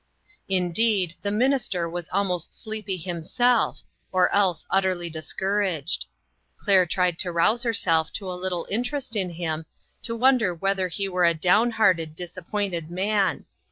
Indeed, the minister was almost sleepy him self, or else utterly discouraged. Claire tried to rouse herself to a little interest in him, to wonder whether he were a down hearted, disappointed man.